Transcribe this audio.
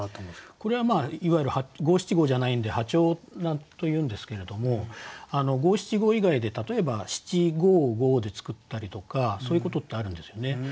これはいわゆる五七五じゃないんで破調というんですけれども五七五以外で例えば七五五で作ったりとかそういうことってあるんですよね。